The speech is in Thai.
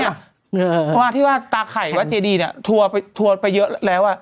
เพราะว่าที่ว่าตาไข่วัดเจดีเนี่ยทัวร์ไปเยอะแล้ว